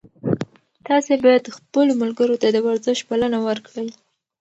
تاسي باید خپلو ملګرو ته د ورزش بلنه ورکړئ.